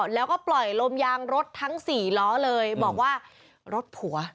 แล้วก็ปล่อยลมยางรถทั้งสี่ล้อเลยบอกว่ารถผัว